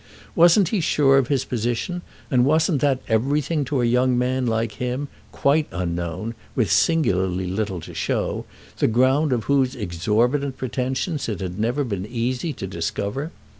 Wasn't he sure of his position, and wasn't that everything to a young man like him, quite unknown, with singularly little to show, the ground of whose exorbitant pretensions it had never been easy to discover?